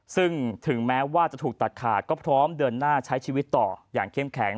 ซึ่งถึงแม้ว่าจะถูกตัดขาดก็พร้อมเดินหน้าใช้ชีวิตต่ออย่างเข้มแข็ง